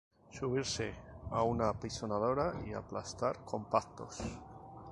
subirse a una apisonadora y aplastar compactos